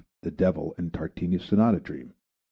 _ the devil in Tartini's sonata dream).